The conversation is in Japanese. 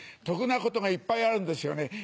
得なことがいっぱいあるんですよね。